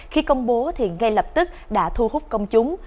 khi công bố thì ngay lập tức đã thu hút công chúng